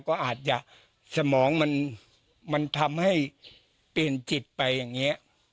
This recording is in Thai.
ก็อาจจะสมองมันทำให้เปลี่ยนจิตไปอย่างนี้